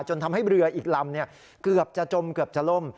ทำให้เรืออีกลำเกือบจะจมเกือบจะล่ม